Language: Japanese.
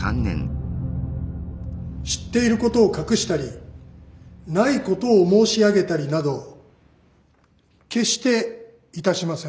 知っていることを隠したりないことを申し上げたりなど決して致しません。